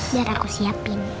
biar aku siapin